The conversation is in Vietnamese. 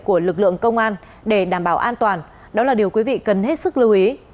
của lực lượng công an để đảm bảo an toàn đó là điều quý vị cần hết sức lưu ý